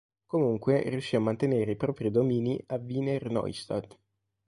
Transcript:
Comunque, riuscì a mantenere i propri domini a Wiener Neustadt.